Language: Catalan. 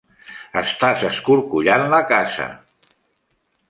Estàs escorcollant la casa!